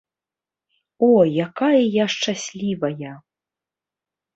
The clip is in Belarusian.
О, якая я шчаслівая!